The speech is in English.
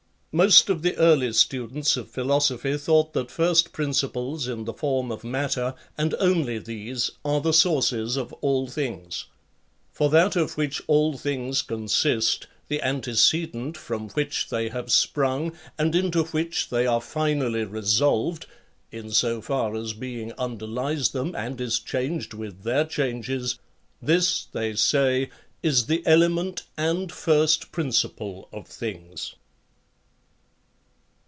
Most of the early students of philosophy thought that first principles in the form of matter, and only these, are the sources of all things ; for that of which all things consist, the antecedent from which they have sprung, and into which they are finally resolved (in so far as being underlies them and is changed with their changes), this they say is the ele ment and first principle of things.